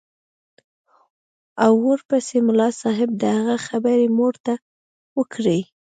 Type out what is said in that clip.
او ورپسې ملا صاحب د هغه خبرې موږ ته وکړې.